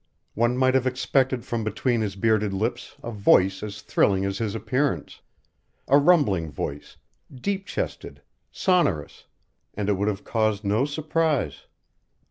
One might have expected from between his bearded lips a voice as thrilling as his appearance; a rumbling voice, deep chested, sonorous and it would have caused no surprise.